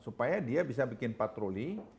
supaya dia bisa bikin patroli